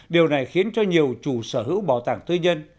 điều này khiến cho nhiều chủ sở hữu bảo tàng tư nhân